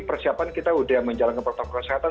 persiapan kita sudah menjalankan protokol kesehatan